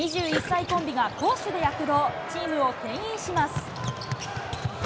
２１歳コンビが攻守で躍動、チームをけん引します。